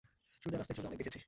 সোজা রাস্তায় চলে অনেক দেখেছি।